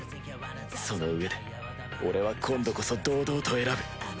そのうえで俺は今度こそ堂々と選ぶ！